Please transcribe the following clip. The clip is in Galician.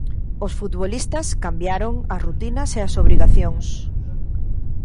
Os futbolistas cambiaron as rutinas e as obrigacións.